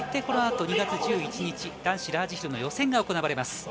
このあと２月１１日男子ラージヒルの予選が行われます。